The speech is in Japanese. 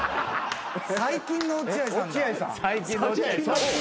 最近の落合さんだ。